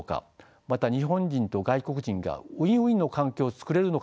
また日本人と外国人がウィンウィンの関係を作れるのかどうか。